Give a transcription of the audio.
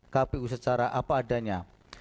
kpu secara apa adanya